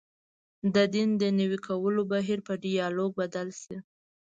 د دین د نوي کولو بهیر په ډیالوګ بدل شي.